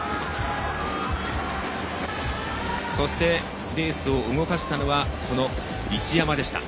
そしてレースを動かしたのは一山でした。